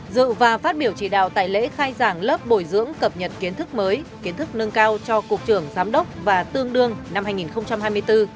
dự và phát biểu chỉ đạo tại lễ khai giảng lớp bồi dưỡng cập nhật kiến thức mới kiến thức nâng cao cho cục trưởng giám đốc và tương đương năm hai nghìn hai mươi bốn